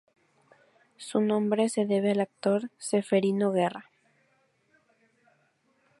Su nombre se debe al actor Ceferino Guerra.